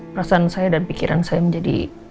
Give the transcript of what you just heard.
perasaan saya dan pikiran saya menjadi